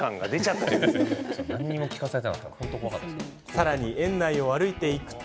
さらに、園内を歩いていくと。